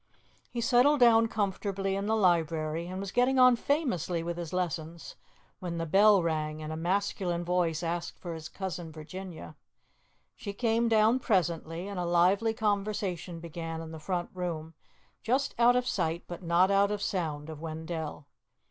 He settled down comfortably in the library, and was getting on famously with his lessons when the bell rang and a masculine voice asked for his Cousin Virginia. She came down presently and a lively conversation began in the front room just out of sight but not out of sound of Wendell.